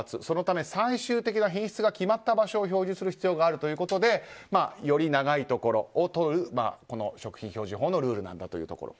そのため最終的な品質が決まった場所を表示する必要があるということでより長いところをとる食品表示法のルールなんだと。